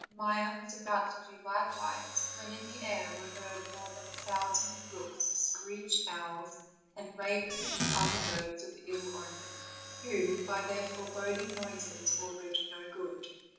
Maia was about to do so likewise, when in the air were heard more than a thousand rooks, screech owls, and ravens, with other birds of ill omen, who by their foreboding noises augured no good.